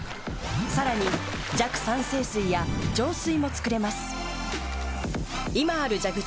さらに弱酸性水や浄水も作れます。